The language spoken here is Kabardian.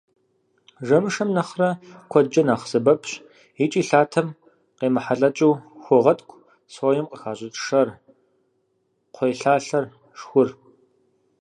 Жэмышэм нэхърэ куэдкӀэ нэхъ сэбэпщ икӀи лъатэм къемыхьэлъэкӀыу хуогъэткӀу соем къыхащӀыкӀ шэр, кхъуейлъалъэр, шхур.